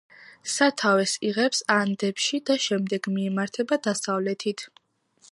სათავეს იღებს ანდებში და შემდეგ მიემართება დასავლეთით.